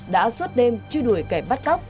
đã suốt đêm truy đuổi kẻ bắt cóc